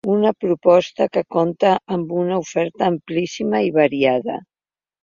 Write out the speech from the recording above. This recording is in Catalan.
Una proposta que compta amb una oferta amplíssima i variada.